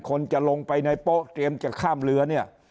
คนจะลงไปในโป๊ะเตรียมจะข้ามเรือเนี่ย